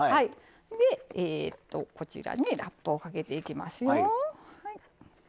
でこちらねラップをかけていきますよ。